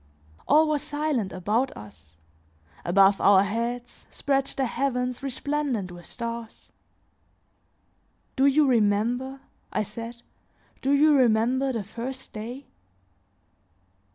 All was silent about us; above our heads, spread the heavens resplendent with stars. "Do you remember," I said, "do you remember the first day?"